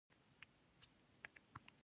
دغه اصول يوازې د پيسو ګټلو لپاره نه دي.